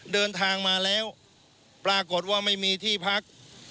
เดินทางมาแล้วปรากฏว่าไม่มีที่พัก